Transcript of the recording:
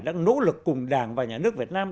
đã nỗ lực cùng đảng và nhà nước việt nam